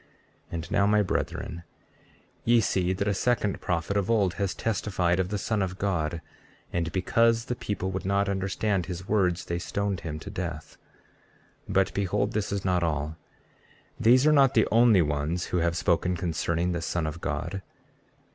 33:17 And now, my brethren, ye see that a second prophet of old has testified of the Son of God, and because the people would not understand his words they stoned him to death. 33:18 But behold, this is not all; these are not the only ones who have spoken concerning the Son of God.